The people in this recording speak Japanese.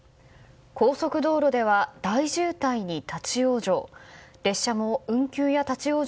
高速道路では大渋滞に立ち往生。